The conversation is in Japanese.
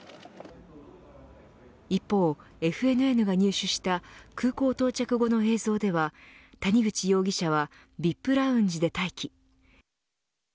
一方、ＦＮＮが入手した空港到着後の映像では谷口容疑者はＶＩＰラウンジで待機。